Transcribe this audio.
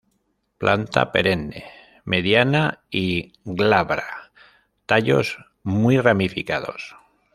Planta perenne, mediana y glabra; tallos muy ramificados.